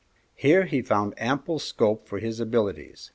Here he found ample scope for his abilities.